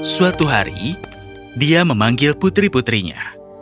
suatu hari dia memanggil putri putrinya